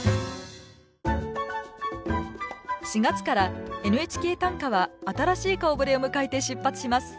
４月から「ＮＨＫ短歌」は新しい顔ぶれを迎えて出発します。